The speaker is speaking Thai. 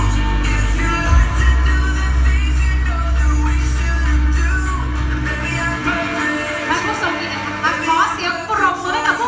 สวัสดีครับค่ะขอเสียงปรบมือให้กับพวกเธออีกหนึ่งรอบค่ะ